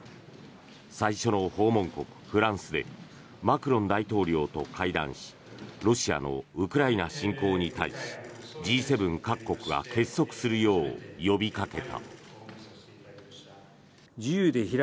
最初の訪問国、フランスでマクロン大統領と会談しロシアのウクライナ侵攻に対しＧ７各国が結束するよう呼びかけた。